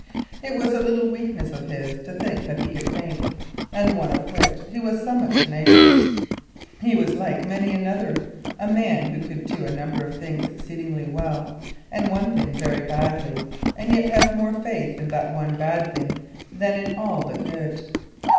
It was a little weakness of his to think that he could paint, and one of which he was somewhat tenacious. Like many another man he could do a number of things exceedingly well and one thing very badly, and yet had more faith in that bad thing than in all the good.